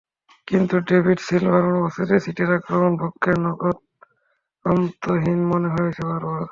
কিন্তু ডেভিড সিলভার অনুপস্থিতিতে সিটির আক্রমণ ভাগকে নখদন্তহীন মনে হয়েছে বারবার।